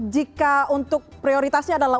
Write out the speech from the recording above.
jika untuk prioritasnya adalah